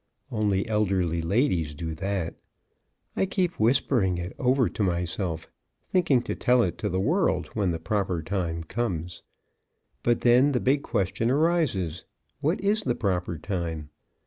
Only elderly ladies do that. I keep whispering it over to myself, thinking to tell it to the world when the proper time comes. But then the big question arises what is the proper time?